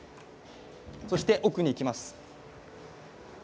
そして奥にいきます。